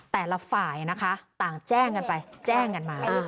แต่ละฝ่ายนะคะต่างแจ้งกันไปแจ้งกันมา